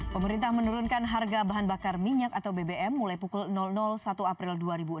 pemerintah menurunkan harga bahan bakar minyak atau bbm mulai pukul satu april dua ribu enam belas